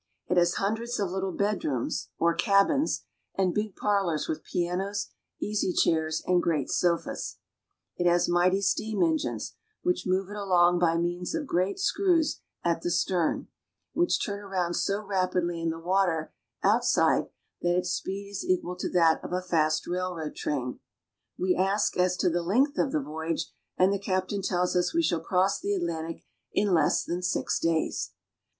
It has hundreds of little bedrooms or cabins, and big parlors with pianos, easy chairs, and great sofas. It has mighty steam engines, which move it along by means of great screws at the stern, which turn around so rapidly in the water outside that its speed is equal to that — big parlors with pianos, easy chairs, and great sofas.' of a fast railroad train. We ask as to the length of the voyage, and the captain tells us we shall cross the Atlantic in less than six days.